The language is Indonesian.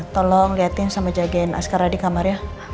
tolong liatin sama jagain askara di kamar ya